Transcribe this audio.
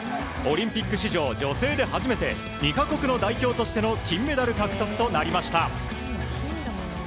オリンピック史上女性で初めて２か国の代表としての金メダル獲得となりました。